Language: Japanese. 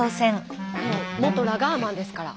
元ラガーマンですから。